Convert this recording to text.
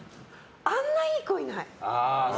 あんないい子、いない。